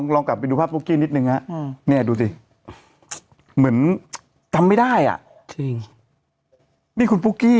ลองกลับไปดูภาพปุ๊กกี้นิดนึงฮะเนี่ยดูสิเหมือนจำไม่ได้อ่ะจริงนี่คุณปุ๊กกี้